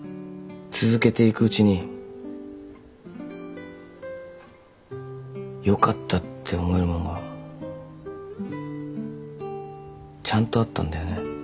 続けていくうちによかったって思えるもんがちゃんとあったんだよね。